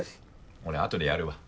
俺あとでやるわ。